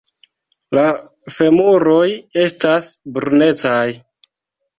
La femuroj estas brunecaj.